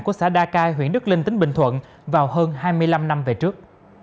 của xã đa cai huyện đức linh tỉnh bình thuận vào hơn hai mươi năm năm về trước